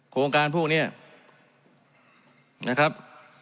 โครงการพวกนี้นะครับ